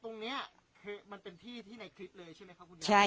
ตรงนี้คือมันเป็นที่ที่ในคลิปเลยใช่ไหมครับคุณยาย